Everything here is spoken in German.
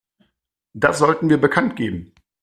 Das sollten wir bekanntgeben.